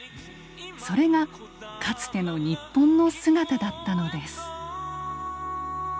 それがかつての日本の姿だったのです。